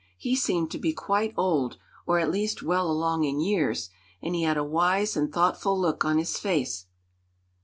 He seemed to be quite old, or at least well along in years, and he had a wise and thoughtful look on his face.